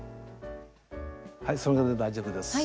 はいそれで大丈夫です。